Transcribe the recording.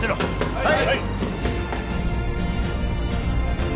はい！